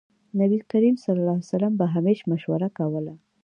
نبي کريم ص به همېش مشوره کوله.